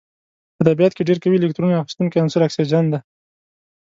په طبیعت کې ډیر قوي الکترون اخیستونکی عنصر اکسیجن دی.